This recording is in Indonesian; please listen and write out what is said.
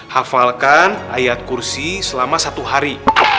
hafalkan ayat kursi selama satu hari